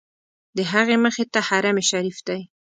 د هغې مخې ته حرم شریف دی.